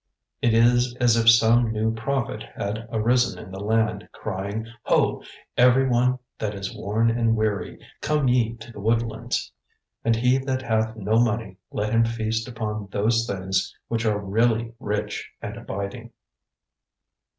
It is as if some new prophet had arisen in the land, crying, "Ho, every one that is worn and weary, come ye to the woodlands; and he that hath no money let him feast upon those things which are really rich and abiding."